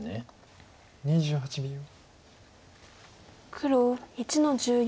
黒１の十四。